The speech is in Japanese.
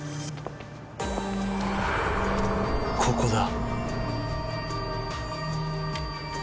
ここだ。